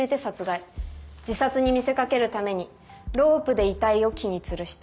自殺に見せかけるためにロープで遺体を木につるした。